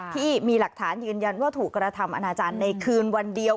ที่มีหลักฐานยืนยันว่าถูกกระทำอนาจารย์ในคืนวันเดียว